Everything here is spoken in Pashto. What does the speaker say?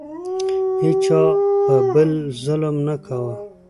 هیچا په بل ظلم نه کاوه.